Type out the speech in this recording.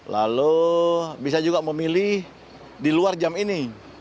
lalu bisa juga memilih di luar jam ini